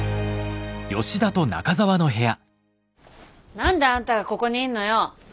何であんたがここにいんのよ。